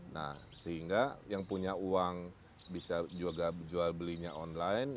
nah sehingga yang punya uang bisa juga jual belinya online